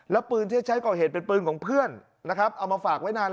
แล้วปืนที่ใช้ก่อเหตุเป็นปืนของเพื่อนนะครับเอามาฝากไว้นาน